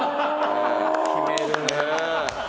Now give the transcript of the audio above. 決めるねぇ！